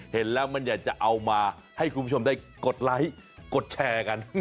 เห็นแล้วมันอยากจะเอามาให้คุณผู้ชมได้กดไลค์กดแชร์กัน